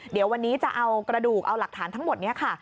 เดี๋ยววันนี้จะเอากระดูกเอาหลักฐานทั้งหมดนี้ค่ะ